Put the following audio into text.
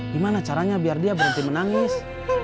gimana caranya biar dia berhenti menangis